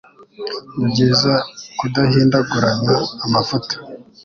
Ni byiza kudahindaguranya amavuta